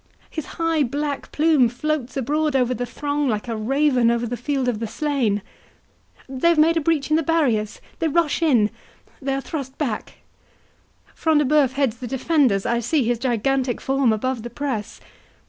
—His high black plume floats abroad over the throng, like a raven over the field of the slain.—They have made a breach in the barriers—they rush in—they are thrust back!—Front de Bœuf heads the defenders; I see his gigantic form above the press.